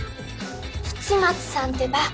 市松さんってば！